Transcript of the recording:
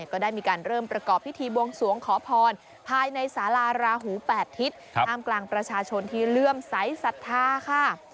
ก็ได้มีการเริ่มประกอบพิธีบวงสวงขอพรภายในสาราราหู๘ทิศห้ามกลางประชาชนที่เลื่อมใสสัทธาค่ะ